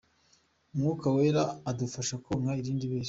Umwuka wera adufasha konka irindi bere.